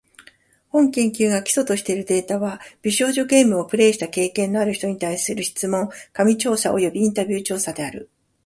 本研究が基礎としているデータは、美少女ゲームをプレイした経験のある人に対する質問紙調査およびインタビュー調査である。